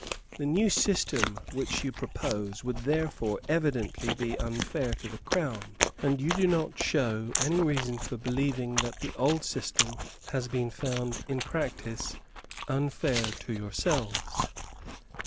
The new system which you propose would therefore evidently be unfair to the Crown; and you do not show any reason for believing that the old system has been found in practice unfair to yourselves.